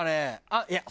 あっいや